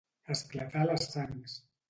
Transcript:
Esclatar les sangs